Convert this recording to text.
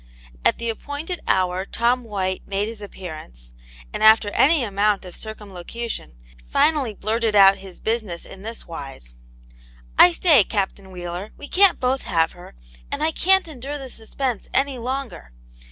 At the appointed hour Tom White made his ap pearance, and after any amount of circumlocuti<5n, finally blurted out his business in this wise: I say, Captain Wheeler, we can't both have her and I can't endure this suspense any longer.